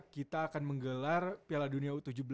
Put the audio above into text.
kita akan menggelar piala dunia u tujuh belas